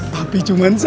tapi cuman satu